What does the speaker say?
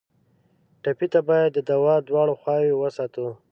ټپي ته باید د دوا دواړه خواوې وساتو.